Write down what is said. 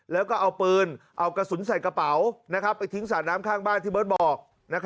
แล้วก็เอาปืนเอากระสุนใส่กระเป๋าไปทิ้งสระน้ำข้างบ้านที่เบิร์ตบอก